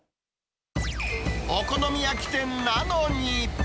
お好み焼き店なのに。